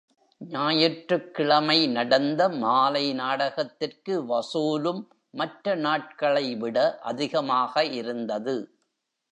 ஞாயிற்றுக்கிழமை நடந்த மாலை நாடகத்துக்கு வசூலும் மற்ற நாட்களைவிட அதிகமாக இருந்தது.